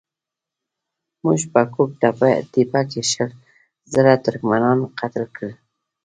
موږ په ګوک تېپه کې شل زره ترکمنان قتل کړل.